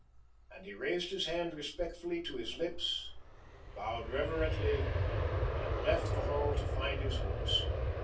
And he raised her hand respectfully to his lips, bowed reverently, and left the hall to find his horse.